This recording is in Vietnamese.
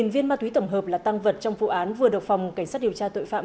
năm mươi năm viên ma túy tổng hợp là tăng vật trong vụ án vừa độc phòng cảnh sát điều tra tội phạm